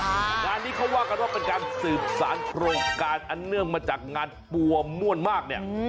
งานนี้เขาว่ากันว่าเป็นการสืบสารโครงการอันเนื่องมาจากงานปัวม่วนมากเนี่ย